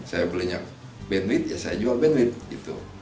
saya belinya bandwidth ya saya jual bandwidth